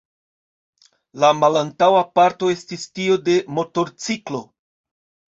La malantaŭa parto estis tio de motorciklo.